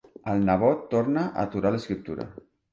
El nebot torna a aturar l'escriptura.